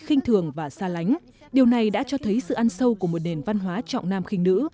khinh thường và xa lánh điều này đã cho thấy sự ăn sâu của một nền văn hóa trọng nam khinh nữ